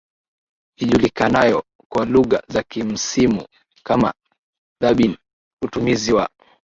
ijulikanayo kwa lugha za kimsimu kama dabbingUtumizi wa